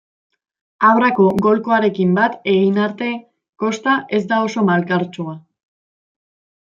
Abrako golkoarekin bat egin arte, kosta ez da oso malkartsua.